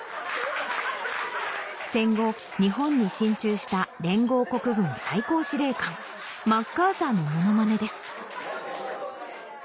戦後日本に進駐した連合国軍最高司令官マッカーサーのモノマネです